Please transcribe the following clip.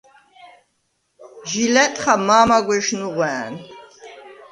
ჟი ლა̈ტხა მა̄მაგვეშ ნუღვა̄̈ნ.